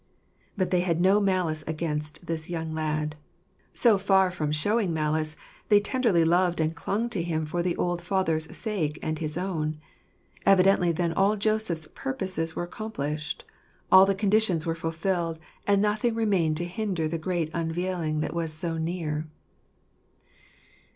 But they had no malice against this young lad. So far from showing malice, they tenderly loved and clung to him for the old father's sake and his own. Evidently then all Joseph's purposes were accomplished ; all the conditions were fulfilled ; and nothing remained to hinder the great unveiling that was so near.